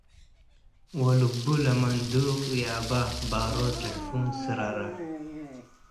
ወልቡ ለመንዱቅ ይአበ - ባሮት ለሕፉን ስረረ